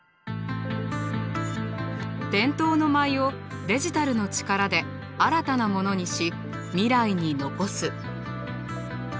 伝統の舞をデジタルの力で新たなものにし未来に残す。